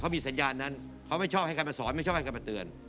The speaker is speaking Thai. มีสัญญาณนั้นเขาไม่ชอบให้ใครมาสอนไม่ชอบให้ใครมาเตือน